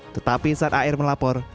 tetapi saat ar melapor